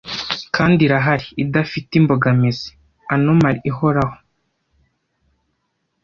Kandi irahari, idafite imbogamizi, anomaly ihoraho,